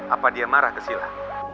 apa dia marah ke sila